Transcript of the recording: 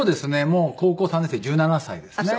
もう高校３年生１７歳ですね。